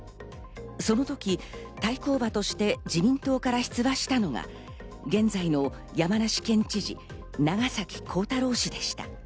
その時、対抗馬として自民党から出馬したのが現在の山梨県知事、長崎幸太郎氏でした。